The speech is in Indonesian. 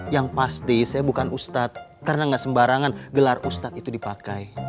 yang pasti saya bukan ustadz karena gak sembarangan gelar ustadz itu dipakai